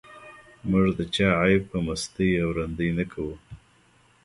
موږ د چا عیب په مستۍ او رندۍ نه کوو.